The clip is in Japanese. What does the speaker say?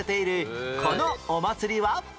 このお祭りは？